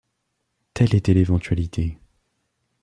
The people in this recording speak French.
Telle était l’éventualité.